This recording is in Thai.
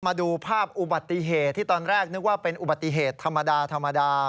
มาดูภาพอุบัติเหตุที่ตอนแรกนึกว่าเป็นอุบัติเหตุธรรมดาธรรมดา